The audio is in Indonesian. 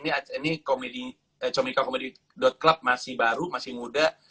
ini comikacomedy club masih baru masih muda